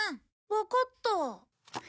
わかった。